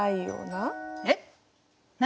えっ何？